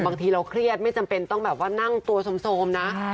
บางทีเราเครียดไม่จำเป็นต้องแบบว่านั่งตัวโซมนะ